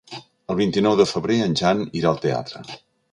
El vint-i-nou de febrer en Jan irà al teatre.